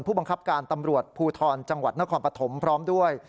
ผู้บังคับการตำรวจภูทรจังหวัดนครปฐมพร้อมด้วย